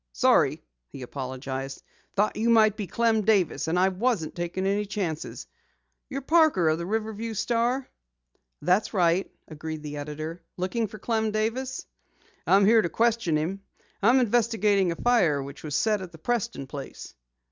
"Sorry," he apologized. "Thought you might be Clem Davis, and I wasn't taking any chances. You're Parker of the Riverview Star?" "That's right," agreed the editor, "Looking for Clem Davis?" "I'm here to question him. I'm investigating a fire which was set at the Preston place."